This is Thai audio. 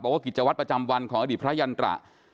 กิจวัตรประจำวันของอดีตพระยันตระ